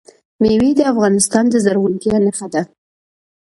مېوې د افغانستان د زرغونتیا نښه ده.